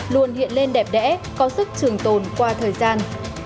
luôn hiện lên đẹp đẽ có sức trường tồn qua thời gian